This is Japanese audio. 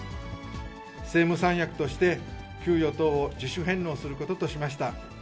政務三役として、給与等を自主返納することとしました。